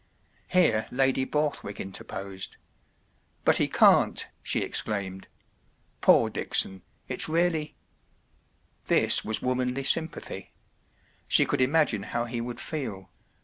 ” Here Lady Borthwick interposed. “ But he can’t! ” she exclaimed. “ Poor Dickson ! it’s really ” This was womanly sympathy. She could imagine how he would feel.